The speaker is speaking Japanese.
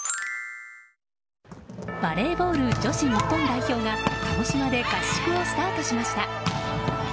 バレーボール女子日本代表が鹿児島で合宿をスタートさせました。